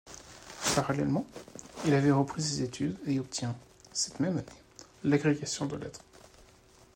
Parallèlement, il avait repris ses études et obtient, cette même année, l'agrégation de lettres.